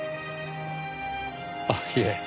あっいえ。